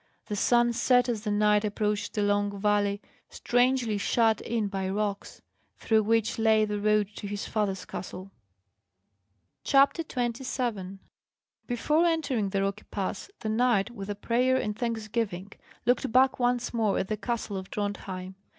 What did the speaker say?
The sun set as the knight approached a long valley, strangely shut in by rocks, through which lay the road to his father's castle. CHAPTER 27 Before entering the rocky pass, the knight, with a prayer and thanksgiving, looked back once more at the castle of Drontheim.